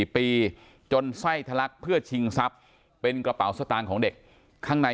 ปีจนไส้ทะลักเพื่อชิงทรัพย์เป็นกระเป๋าสตางค์ของเด็กข้างใน